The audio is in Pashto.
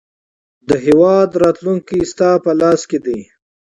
د هیواد راتلونکی ستا په لاس کې دی.